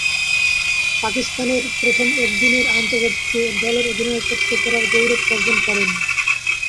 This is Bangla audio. পাকিস্তানের প্রথম একদিনের আন্তর্জাতিকে দলের অধিনায়কত্ব করার গৌরব অর্জন করেন।